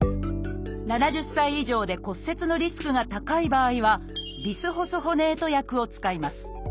７０歳以上で骨折のリスクが高い場合は「ビスホスホネート薬」を使います。